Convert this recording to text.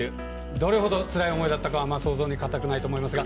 どれほどつらい思いだったかは想像にかたくないと思いますが。